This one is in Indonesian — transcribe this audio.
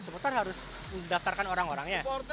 supporter harus didaftarkan orang orangnya